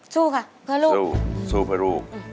สู้ค่ะเผอรูปสู้เผอรูป